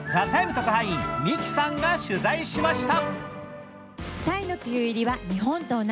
特派員ＭＩＫＩさんが取材しました。